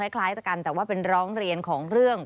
คล้ายแต่ว่าร้องเรียนของเรื่อง